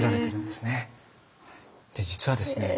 で実はですね